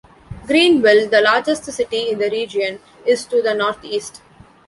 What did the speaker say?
Greenville, the largest city in the region, is to the northeast.